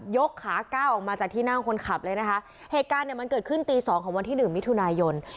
กขาก้าวออกมาจากที่นั่งคนขับเลยนะคะเหตุการณ์เนี่ยมันเกิดขึ้นตีสองของวันที่หนึ่งมิถุนายน